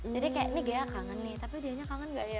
jadi kayak ini ghea kangen nih tapi dia nya kangen gak ya